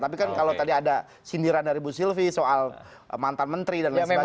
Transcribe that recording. tapi kan kalau tadi ada sindiran dari bu sylvi soal mantan menteri dan lain sebagainya